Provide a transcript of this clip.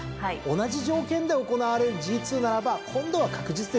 同じ条件で行われるＧⅡならば今度は確実でしょ。